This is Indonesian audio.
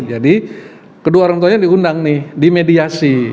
jadi kedua orang tuanya diundang nih dimediasi